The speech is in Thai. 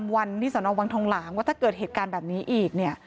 ว่าถ้าเกิดเหตุการณ์แบบนี้